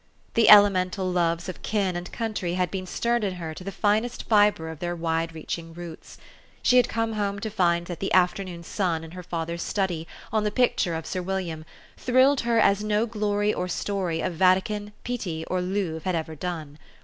The elemental loves of kin and country had been stirred in her to the finest fibre of their wide reaching roots. She had come home to find that the after noon sun in her father's study, on the picture of Sir William, thrilled her as no glory or story of Vati can, Pitti, or Louvre, had ever done.